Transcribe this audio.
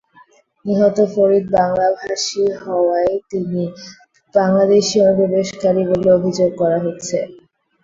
নিহত ফরিদ বাংলাভাষী হওয়ায় তিনি বাংলাদেশি অনুপ্রবেশকারী বলে অভিযোগ করা হচ্ছে।